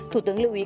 thủ tướng lưu ý là